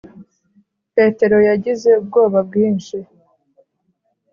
petero yagize ubwoba bwinshi;